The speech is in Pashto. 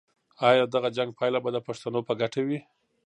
آیا د دغه جنګ پایله به د پښتنو په ګټه وي؟